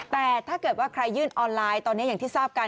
แต่ถ้าเกิดว่าใครยื่นออนไลน์ตอนนี้อย่างที่ทราบกัน